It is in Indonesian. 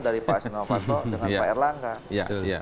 dari pak asin novatok dengan pak erlangga